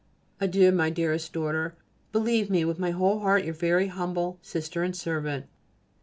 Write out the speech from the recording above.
Adieu, dearest daughter. Believe me, with my whole heart, Your very humble sister and servant.